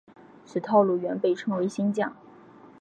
此套路原被称为新架。